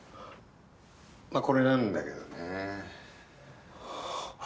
まあこれなんだけどね。